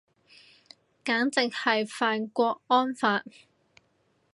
簡直犯郭安發